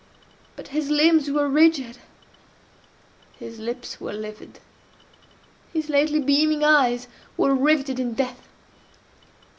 But his limbs were rigid—his lips were livid—his lately beaming eyes were riveted in death.